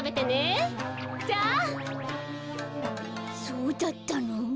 そうだったの？